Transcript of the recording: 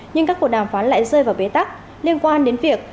nhưng các cuộc đàm phán lại rơi vào bế tắc liên quan đến việc